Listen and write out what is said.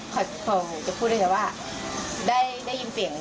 คือว่าเขาได้ยินเสียงน่ะ